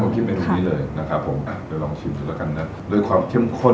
ที่ญี่ปุ่นมีขายร้านไหม